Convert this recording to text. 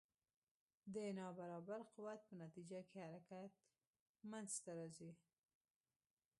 د نا برابر قوت په نتیجه کې حرکت منځته راځي.